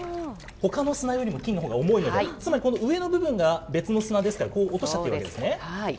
ほかの砂よりも金のほうが重いので、つまりこの上の部分が別の砂ですから、こう落としちゃっているわけですね。